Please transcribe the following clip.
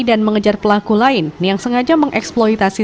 dan mengejar pelaku lain yang sengaja mengeksploitasi